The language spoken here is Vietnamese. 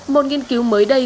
một nghiên cứu mới đây